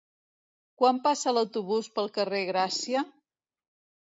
Quan passa l'autobús pel carrer Gràcia?